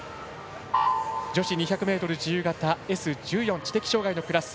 女子２００ｍ自由形Ｓ１４、知的障がいのクラス。